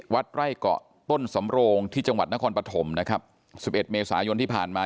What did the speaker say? วัดไร่เกาะต้นสำโรงที่จังหวัดนครปฐมนะครับสิบเอ็ดเมษายนที่ผ่านมา